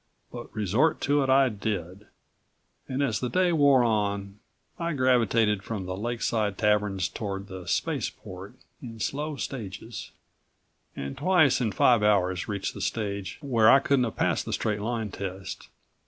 But resort to it I did, and as the day wore on I gravitated from the lakeside taverns toward the spaceport in slow stages, and twice in five hours reached the stage where I couldn't have passed the straight line test.